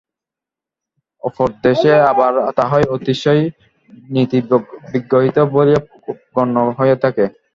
অপর দেশে আবার তাহাই অতিশয় নীতিবিগর্হিত বলিয়া গণ্য হইয়া থাকে।